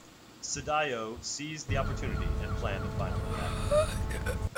Sadayo seized the opportunity and planned a final attack.